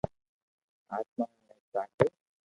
آتمائون ني ڪا ِڍیون